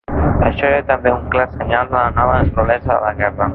Això era també un clar senyal de la nova naturalesa de la guerra.